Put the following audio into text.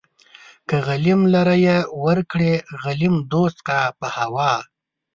که غليم لره يې ورکړې غليم دوست کا په هوا